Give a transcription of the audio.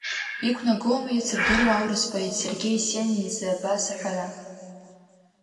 Иқәнагоума еицырдыруа аурыс поет Сергеи Есенин изы абас аҳәара…